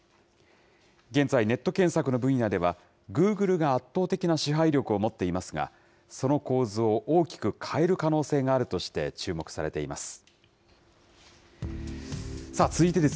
現在、ネット検索の分野では、グーグルが圧倒的な支配力を持っていますが、その構図を大きく変える可能性があるとして注目されています。